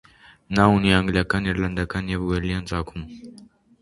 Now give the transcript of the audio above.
Նա ունի անգլիական, իռլանդական և ուելսյան ծագում։